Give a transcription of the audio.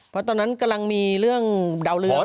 เพราะตอนนั้นกำลังมีเรื่องดาวเรือง